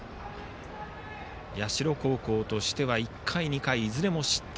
社高校としては１回、２回いずれも失点。